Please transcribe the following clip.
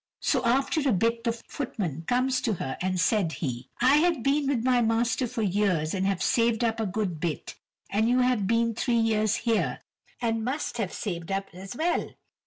So after a bit the footman comes to her and said he: "I have been with my master for years and have saved up a good bit, and you have been three years here, and must have saved up as well.